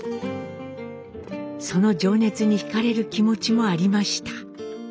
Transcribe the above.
その情熱にひかれる気持ちもありました。